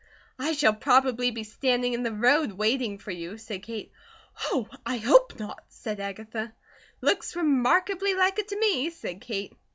"I shall probably be standing in the road waiting for you," said Kate. "Oh, I hope not," said Agatha. "Looks remarkably like it to me," said Kate.